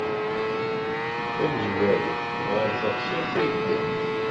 Tamezwarut, ɣer teɣsert ay ddant.